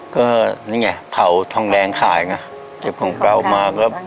ก็นี่ไงเผาทองแดงขายไงเก็บของเก่ามาก็